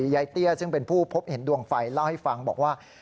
เตี้ยซึ่งเป็นผู้พบเห็นดวงไฟเล่าให้ฟังบอกว่า